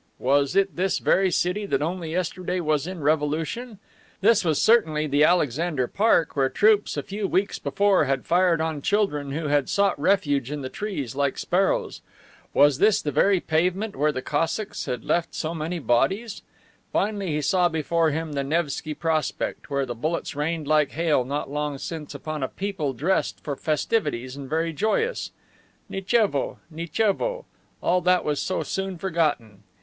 Was it this very city that only yesterday was in revolution? This was certainly the Alexander Park where troops a few weeks before had fired on children who had sought refuge in the trees, like sparrows. Was this the very pavement where the Cossacks had left so many bodies? Finally he saw before him the Nevsky Prospect, where the bullets rained like hail not long since upon a people dressed for festivities and very joyous. Nichevo! Nichevo! All that was so soon forgotten.